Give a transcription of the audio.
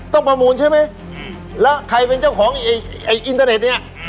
ประมูลใช่ไหมแล้วใครเป็นเจ้าของไอ้อินเทอร์เน็ตเนี่ย